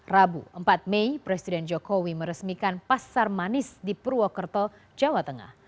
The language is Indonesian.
rabu empat mei presiden jokowi meresmikan pasar manis di purwokerto jawa tengah